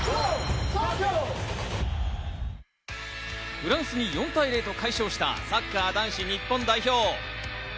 フランスに４対０と快勝した、サッカー男子日本代表。